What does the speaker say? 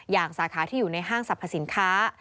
สาขาที่อยู่ในห้างสรรพสินค้า